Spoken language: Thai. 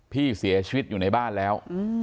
พี่เสียชีวิตอยู่ในบ้านแล้ว